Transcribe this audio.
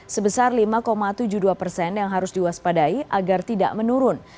sebesar lima tujuh puluh dua persen yang harus diwaspadai agar tidak menurun